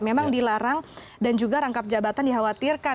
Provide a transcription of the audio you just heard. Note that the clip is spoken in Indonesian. memang dilarang dan juga rangkap jabatan dikhawatirkan